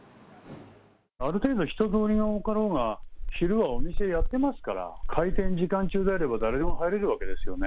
ある程度、人通りが多かろうが、昼はお店やってますから、開店時間中であれば誰でも入れるわけですよね。